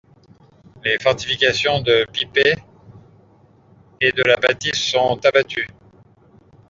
Les fortifications de Pipet et de la Bâtie sont abattues.